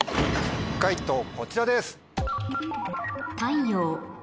解答こちらです。